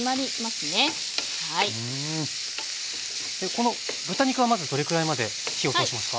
この豚肉はまずどれくらいまで火を通しますか？